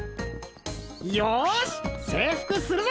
よし征服するぞ！